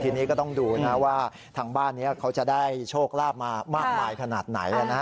ทีนี้ก็ต้องดูนะว่าทางบ้านนี้เขาจะได้โชคลาภมามากมายขนาดไหน